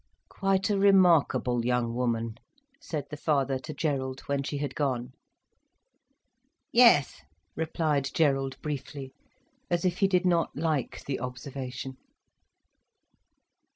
"Quite a remarkable young woman," said the father to Gerald, when she had gone. "Yes," replied Gerald briefly, as if he did not like the observation.